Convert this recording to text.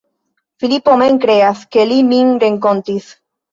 Filipo mem neas, ke li min renkontis.